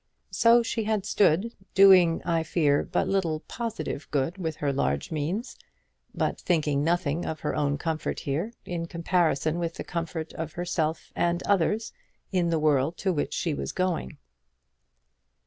So had she stood, doing, I fear, but little positive good with her large means, but thinking nothing of her own comfort here, in comparison with the comfort of herself and others in the world to which she was going.